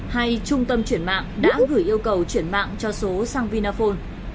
hay trung tâm chuyển mạng đã gửi yêu cầu chuyển mạng cho số sang vinaphone